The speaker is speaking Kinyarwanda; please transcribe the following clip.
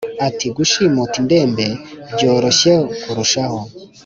ati"gushimuta indembe byoroshye kurushaho."